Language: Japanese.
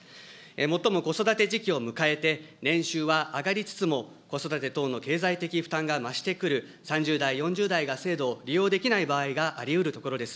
もっとも子育て時期を迎えて年収は上がりつつも、子育て等の経済的負担が増してくる３０代、４０代が制度を利用できない場合がありうるところです。